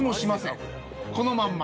このまんま。